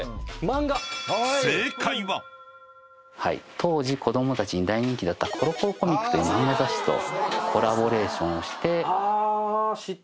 当時子供たちに大人気だった『コロコロコミック』という漫画雑誌とコラボレーションをして。